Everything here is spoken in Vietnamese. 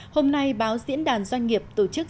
hôm nay báo diễn đàn doanh nghiệp tổ chức